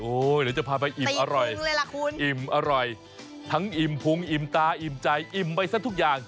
เดี๋ยวจะพาไปอิ่มอร่อยอิ่มอร่อยทั้งอิ่มพุงอิ่มตาอิ่มใจอิ่มไปซะทุกอย่าง